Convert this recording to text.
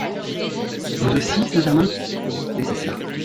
Vous aussi, Saint-Germain ? laissez cela…